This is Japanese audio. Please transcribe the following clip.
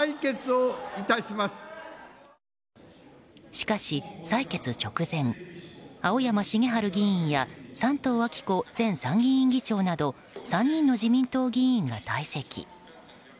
しかし採決直前青山繁晴議員や山東昭子前参議院議長など３人の自民党議員が退席。